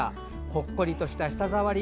ほっこりとした舌触り。